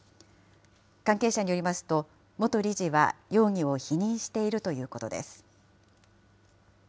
関係者によりますと、元理事は容疑を否認しているということです。